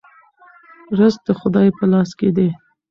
رزق د خدای په لاس کې دی.